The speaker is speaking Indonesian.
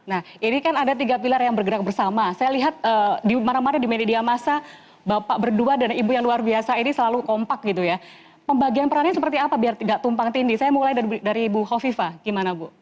nah ini kan ada tiga pilar yang bergerak bersama saya lihat di mana mana di media masa bapak berdua dan ibu yang luar biasa ini selalu kompak gitu ya pembagian perannya seperti apa biar tidak tumpang tindi saya mulai dari bu hovifa gimana bu